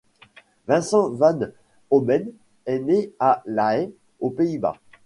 Vincent van Ommen est né à La Haye aux Pays-Bas.